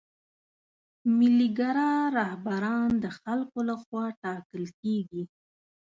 ملي ګرا رهبران د خلکو له خوا ټاکل کیږي.